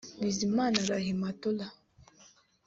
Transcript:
Bizimana Rahmatullah